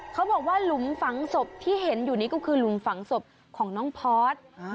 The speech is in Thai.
เขาบอกว่าหลุมฝังศพที่เห็นอยู่นี้ก็คือหลุมฝังศพของน้องพอร์ต